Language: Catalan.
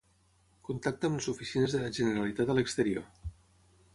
Contacta amb les oficines de la Generalitat a l'exterior.